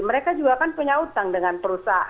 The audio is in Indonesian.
mereka juga kan punya utang dengan perusahaan